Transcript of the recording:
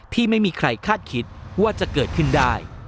ที่ไม่มีใครคาดคิดว่าจะเกิดขึ้นได้